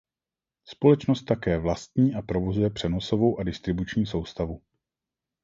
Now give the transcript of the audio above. Společnost také vlastní a provozuje přenosovou a distribuční soustavu.